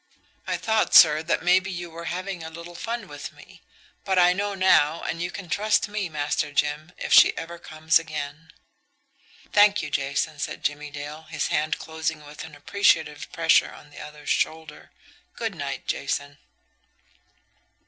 I thought, sir, that maybe you were having a little fun with me. But I know now, and you can trust me, Master Jim, if she ever comes again." "Thank you, Jason," said Jimmie Dale, his hand closing with an appreciative pressure on the other's shoulder "Good night, Jason."